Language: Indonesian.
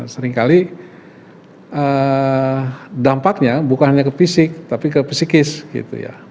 seringkali dampaknya bukan hanya ke fisik tapi ke psikis gitu ya